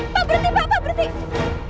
pak berhenti pak pak berhenti